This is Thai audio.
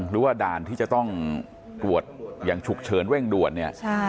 หรือว่าด่านที่จะต้องตรวจอย่างฉุกเฉินเร่งด่วนเนี่ย